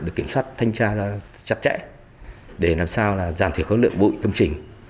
được kiểm soát thanh tra chặt chẽ để làm sao giảm thiểu khối lượng bụi công trình